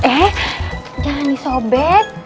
eh jangan disobek